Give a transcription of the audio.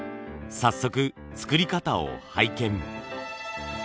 早速作り方を拝見。